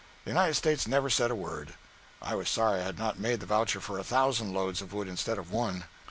The United States never said a word. I was sorry I had not made the voucher for a thousand loads of wood instead of one.